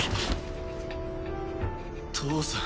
父さん。